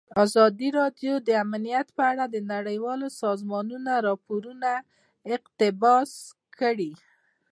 ازادي راډیو د امنیت په اړه د نړیوالو سازمانونو راپورونه اقتباس کړي.